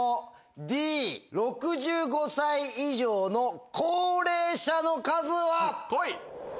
Ｄ「６５歳以上の高齢者の数」は？